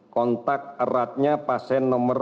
kontak eratnya pasien nomor lima belas